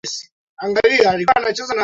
Mtaka cha mvunguni sharti ainame